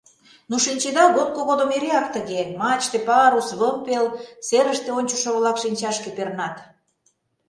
Ну, шинчеда, гонко годым эреак тыге: мачте, парус, вымпел, серыште ончышо-влак шинчашке пернат.